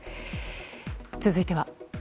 続いては。